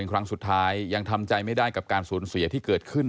ครั้งสุดท้ายยังทำใจไม่ได้กับการสูญเสียที่เกิดขึ้น